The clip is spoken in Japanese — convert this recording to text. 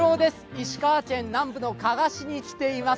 石川県南部の加賀市に来ています。